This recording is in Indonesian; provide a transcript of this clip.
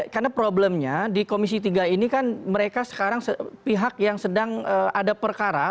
karena problemnya di komisi tiga ini kan mereka sekarang pihak yang sedang ada perkara